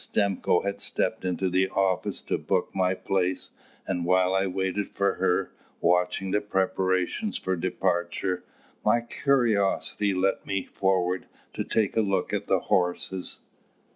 Stimcoe had stepped into the office to book my place, and while I waited for her, watching the preparations for departure, my curiosity led me forward to take a look at the horses.